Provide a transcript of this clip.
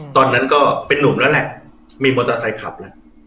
ตอนนั้นก็เป็นนุ่มแล้วแหละมีมอเตอร์ไซค์ขับแล้ว